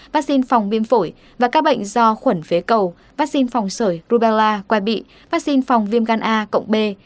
vaccine phòng viêm phổi và các bệnh do khuẩn phế cầu vaccine phòng sởi rubella qua bị vaccine phòng viêm gan a cộng b